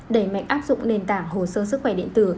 đẩy mạnh áp dụng nền tảng hồ sơ sức khỏe điện tử